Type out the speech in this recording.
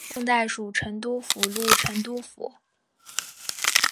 宋代属成都府路成都府。